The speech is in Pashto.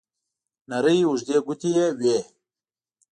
نرۍ اوږدې ګوتې یې وې.